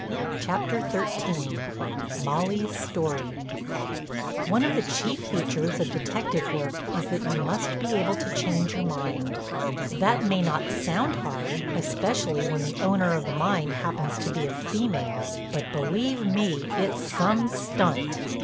CHAPTER XIII—MOLLY'S STORY One of the chief features of detective work is that you must be able to change your mind. That may not sound hard—especially when the owner of the mind happens to be a female—but believe me it's some stunt.